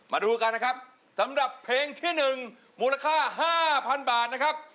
มาดูกันนะครับสำหรับเพลงที่๑มูลค่า๕๐๐๐บาทนะครับ